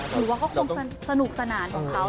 หรือว่าเค้าคงสนุกสนานของเค้า